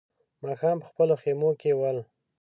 ماښام په خپلو خيمو کې ول.